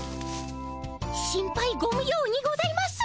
心配ご無用にございます。